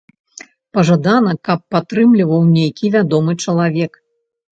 Пажадана, каб падтрымліваў нейкі вядомы чалавек.